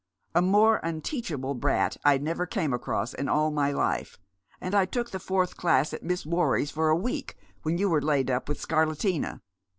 A more unteachable brat I never came across in all my life, and I took the fourth class at Miss Worrie's for a week when you were laid up with scarlatina."